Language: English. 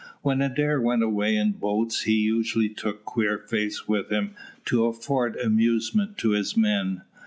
When Adair went away in boats he usually took Queerface with him to afford amusement to his men.